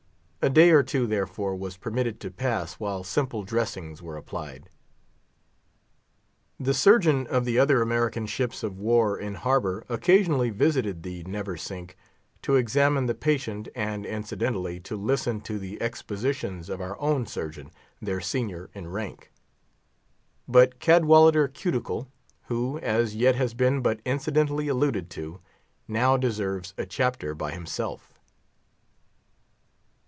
A day or two, therefore, was permitted to pass, while simple dressings were applied. The Surgeon of the other American ships of war in harbour occasionally visited the Neversink, to examine the patient, and incidentally to listen to the expositions of our own Surgeon, their senior in rank. But Cadwallader Cuticle, who, as yet, has been but incidentally alluded to, now deserves a chapter by himself.